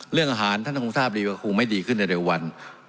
เรื่องอาหารท่านคงทราบดีว่าคงไม่ดีขึ้นในเร็ววัน